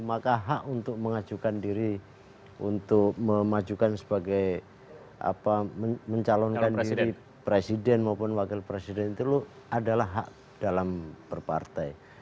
maka hak untuk mengajukan diri untuk memajukan sebagai mencalonkan diri presiden maupun wakil presiden itu adalah hak dalam berpartai